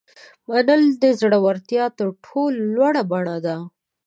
منل د زړورتیا تر ټولو لوړه بڼه ده.